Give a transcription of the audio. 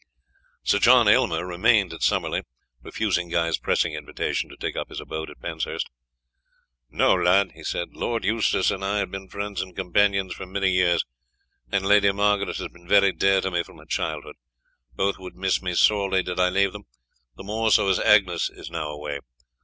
Sir John Aylmer remained at Summerley, refusing Guy's pressing invitation to take up his abode at Penshurst. "No, lad," he said; "Lord Eustace and I have been friends and companions for many years, and Lady Margaret has been very dear to me from her childhood. Both would miss me sorely did I leave them, the more so as Agnes is now away.